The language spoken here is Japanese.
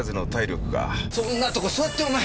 そんなとこ座ってお前。